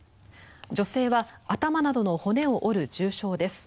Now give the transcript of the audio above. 女性は頭などの骨を折る重傷です。